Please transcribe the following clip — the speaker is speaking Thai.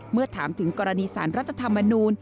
เมื่อถามถึงกรณีสารรัฐธรรมนูล